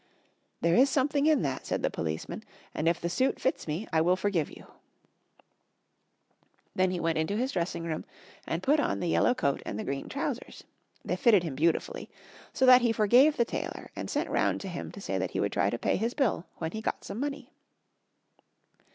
"There is something in that," said the policeman, "and if the suit fits me I will forgive you." Then he went into his dressing room and put on the yellow coat and the green trousers. They fitted him beautifully. So that he forgave the tailor, and sent round to him to say that he would try to pay his bill when he got some money.